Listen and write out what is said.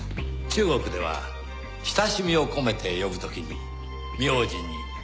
中国では親しみを込めて呼ぶ時に名字に。